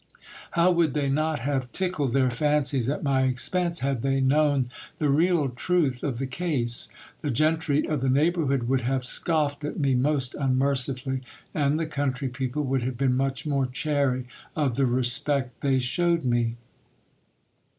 How would they not have tickled their fancies at my expense, had they known the real truth of the case ! The gentry of the neighbourhood would have scoffed at me most unmercifully, and the country people would have been much more chary of the respect they shewed me.